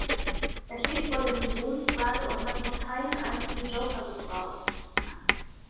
Er steht vor der Millionenfrage und hat noch keinen einzigen Joker gebraucht.